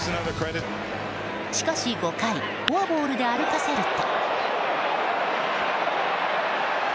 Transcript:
しかし、５回フォアボールで歩かせると。